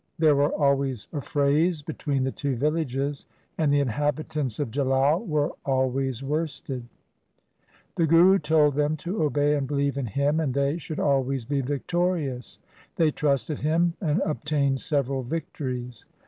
There were always affrays between the two villages, and the inhabitants of Jalal were always worsted. The Guru told them to obey and believe in him, and they should always be victorious. They trusted him and obta'ned several victories.